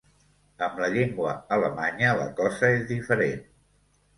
Amb la llengua alemanya la cosa és diferent.